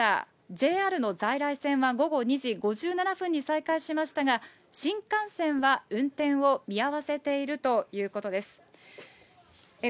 ＪＲの在来線は午後２時５７分に再開しましたが、新幹線は運転を見合わせているということです。